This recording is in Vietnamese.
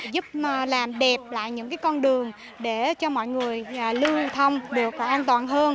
giúp làm đẹp lại những con đường để cho mọi người lưu thông được an toàn hơn